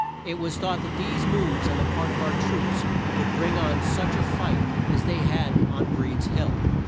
It was thought that these moves on the part of our troops would bring on such a fight as they had had on Breed's Hill.